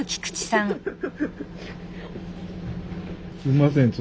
すいません。